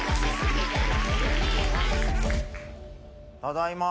ただいま。